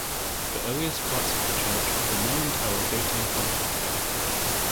The earliest parts of the church are the Norman tower dating from ca.